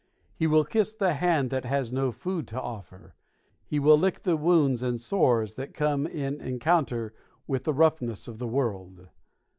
He will kiss the hand that has no food to offer, he will lick the wounds and sores that come in encounter with the roughness of the world.